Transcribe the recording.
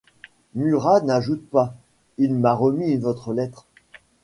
Murat n'ajoute pas : Il m'a remis votre lettre.